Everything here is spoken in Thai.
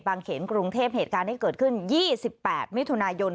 เขนกรุงเทพเหตุการณ์ที่เกิดขึ้น๒๘มิถุนายน